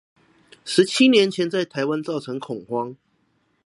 十七年前在台灣造成恐慌